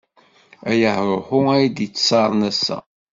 Ay ahṛuḥu, ay d-ittṣaren ass-a.